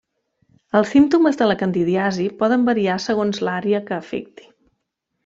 Els símptomes de la candidiasi poden variar segons l'àrea que afecti.